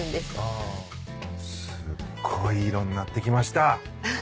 すっごい色になってきました。